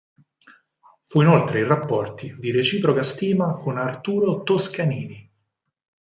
Fu inoltre in rapporti di reciproca stima con Arturo Toscanini.